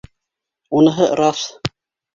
Уныһы - раҫ.